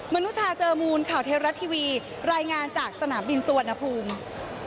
นุชาเจอมูลข่าวเทวรัฐทีวีรายงานจากสนามบินสุวรรณภูมิ